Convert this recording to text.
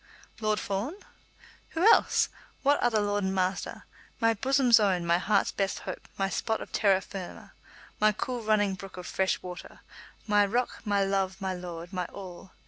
"Lord Fawn?" "Who else? What other lord and master? My bosom's own; my heart's best hope; my spot of terra firma; my cool running brook of fresh water; my rock; my love; my lord; my all!